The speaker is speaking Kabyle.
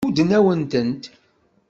Muddent-awen-tent.